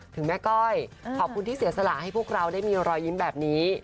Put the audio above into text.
ถึงแม่ก้อยขอบคุณที่เสียสละให้พวกเราได้มีรอยยิ้มแบบนี้